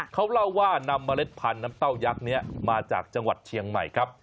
เขาเล่าว่านำเมล็ดพันธุ์น้ำเต้ายักษ์นี้มาจากจังหวัดเชียงใหม่ครับ